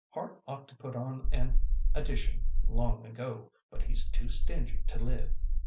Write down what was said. Hart ought to put on an addition long ago, but he's too stingy to live.